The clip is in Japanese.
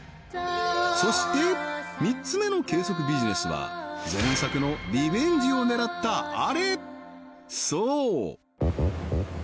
そして３つ目の計測ビジネスは前作のリベンジを狙ったアレそう！